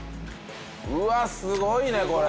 うわっすごいねこれ。